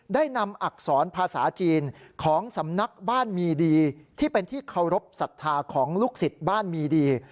ได้นำอักษรภาษาจีนของสำนักบ้านมีดีที่เป็นที่เคารพสัทธาของลูกศิษย์บ้านมีดี